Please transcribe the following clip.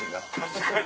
確かに。